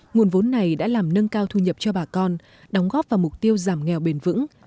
nguồn vốn này đã làm nâng cao thu nhập cho bà con đóng góp vào mục tiêu giảm nghèo bền vững